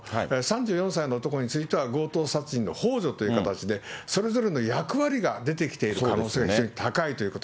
３４歳の男については、強盗殺人のほう助という形で、それぞれの役割が出てきている可能性が非常に高いということ。